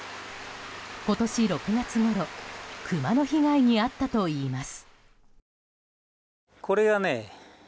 今年６月ごろクマの被害に遭ったといいます。